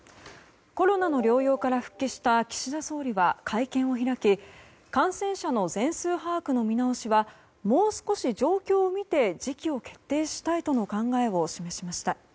コロナの療養から復帰した岸田総理は会見を開き感染者の全数把握の見直しはもう少し状況を見て時期を決定したいとの考えを示しました。